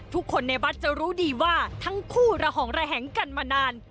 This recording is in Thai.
ทุกคนในวัดจะรู้ดีว่าทั้งคู่ระห่องระแหงกันมานาน